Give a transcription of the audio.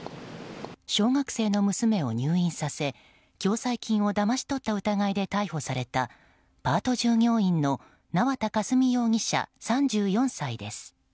小学生の娘を入院させ共済金をだまし取った疑いで逮捕されたパート従業員の縄田佳純容疑者、３４歳です。